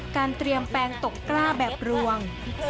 เตรียมแปลงตกกล้าแบบรวง